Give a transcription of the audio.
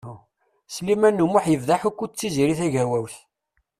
Sliman U Muḥ yebda aḥukku d Tiziri Tagawawt.